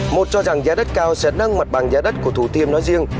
một cho rằng giá đất cao sẽ nâng mặt bằng giá đất của thủ tiêm nói riêng